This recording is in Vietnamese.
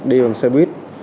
đi bằng xe buýt